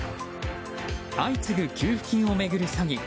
相次ぐ給付金を巡る詐欺。